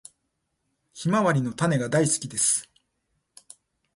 ヒマワリの種が大好きです。